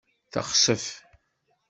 Texsef.